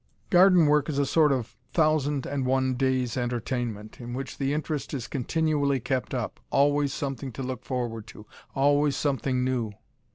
Garden work is a sort of thousand and one days' entertainment, in which the interest is continually kept up always something to look forward to always something new.